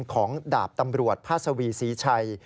ของดาบตำรวจพาสวีศรีชัย